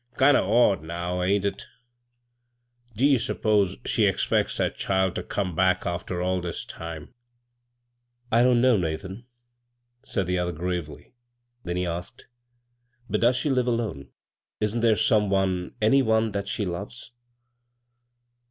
Kind o' odd now ; ain't it ? 65 b, Google CROSS CURRENTS Do ye s'pose she expects that child ter come back after all this time 7 "" 1 don't know, Nathan," said the other gravely. Then he asked :" But does she live alone ? Isn't there some one, any one that she loves